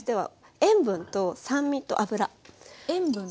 塩分と酸味と油。